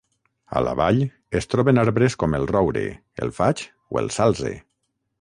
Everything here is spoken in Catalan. A la vall es troben arbres com el Roure, el Faig o el Salze.